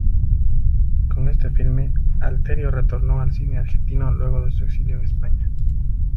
Con este filme Alterio retornó al cine argentino luego de su exilio en España.